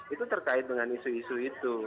itu terkait dengan isu isu itu